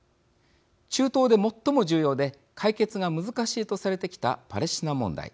中東で最も重要で解決が難しいとされてきたパレスチナ問題。